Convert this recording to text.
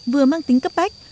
vừa mang tính cấp bách